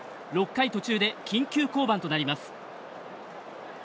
６回途中で緊急降板となります。